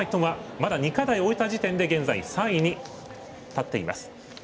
まだ２課題終えた時点で現在３位に立っています。